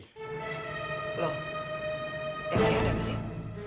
loh emang ada apa sih